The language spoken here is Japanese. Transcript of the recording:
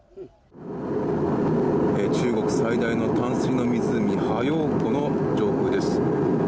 中国最大の淡水の湖ハヨウ湖の上空です。